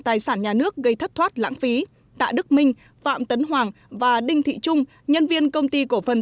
tài sản nhà nước gây thất thoát lãng phí tạ đức minh phạm tấn hoàng và đinh thị trung nhân viên công ty cổ phần